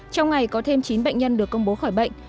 trong ngày có thêm chín bệnh nhân được công bố khỏi bệnh